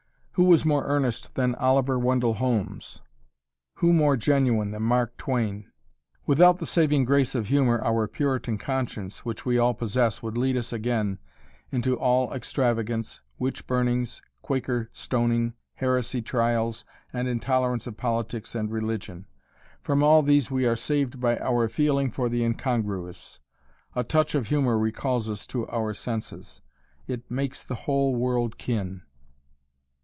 Who was more earnest than Oliver Wendell Holmes, who more genuine than Mark Twain? Without the saving grace of humor our Puritan conscience which we all possess would lead us again into all extravagance, witch burnings, Quaker stoning, heresy trials, and intolerance of politics and religion. From all these we are saved by our feeling for the incongruous. A touch of humor recalls us to our senses. It "makes the whole world kin."